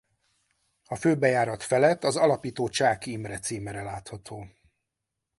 A főbejárat felett az alapító Csáky Imre címere látható.